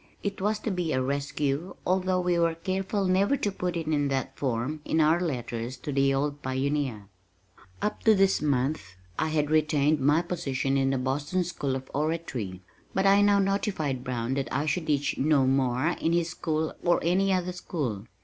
It was to be a rescue although we were careful never to put it in that form in our letters to the old pioneer. Up to this month I had retained my position in the Boston School of Oratory, but I now notified Brown that I should teach no more in his school or any other school.